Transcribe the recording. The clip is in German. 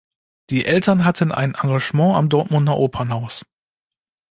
Die Eltern hatten ein Engagement am Dortmunder Opernhaus.